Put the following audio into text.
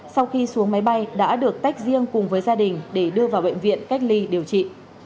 sau khi xuống máy bay đã được tách riêng cùng với gia đình để đưa vào bệnh viện cách ly điều trị